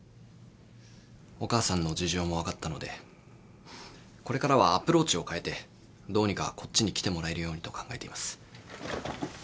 お母さんの事情も分かったのでこれからはアプローチを変えてどうにかこっちに来てもらえるようにと考えています。